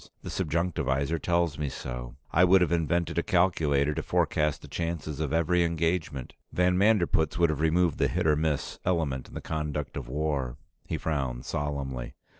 The subjunctivisor tells me so; I would have invented a calculator to forecast the chances of every engagement; van Manderpootz would have removed the hit or miss element in the conduct of war." He frowned solemnly.